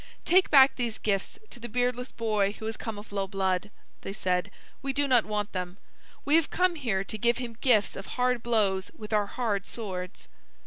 "Take back these gifts to the beardless boy who has come of low blood," they said; "we do not want them. We have come here to give him gifts of hard blows with our hard swords."